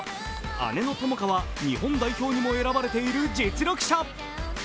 姉の友花は日本代表にも選ばれている実力者。